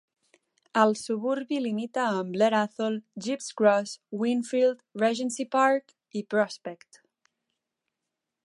El suburbi limita amb Blair Athol, Gepps Cross, Wingfield, Regency Park i Prospect.